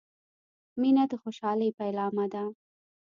• مینه د خوشحالۍ پیلامه ده.